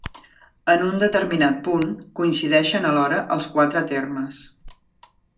En un determinat punt, coincideixen alhora els quatre termes.